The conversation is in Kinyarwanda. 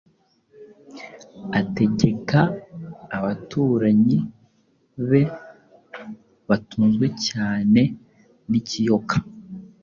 ategekaabaturanyi be batunzwe cyane nikiyoka